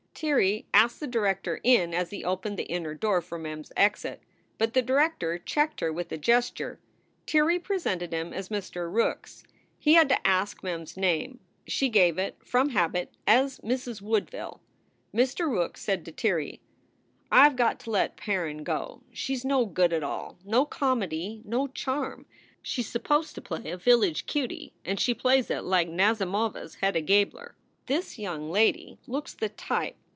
Tirrey asked the director in as he opened the inner door for Mem s exit. But the director checked her with a ges ture. Tirrey presented him as Mr. Rookes. He had to ask Mem s name. She gave it, from habit, as Mrs. Woodville. Mr. Rookes said to Tirrey: "I ve got to let Perrin go. She s no good at all no comedy, no charm. She s supposed to play a village cutie and she plays it like Nazimova s Hedda Gabler. This young lady looks the type.